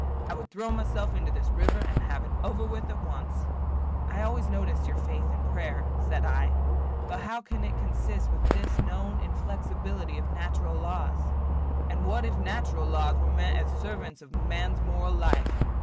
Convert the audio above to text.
I would throw myself into this river, and have it over with at once." "I always noticed your faith in prayer," said I. "But how can it consist with this known inflexibility of natural laws?" "And what if natural laws were meant as servants of man's moral life?